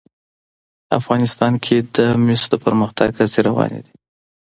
افغانستان کې د مس د پرمختګ هڅې روانې دي.